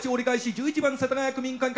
１１番世田谷区民会館。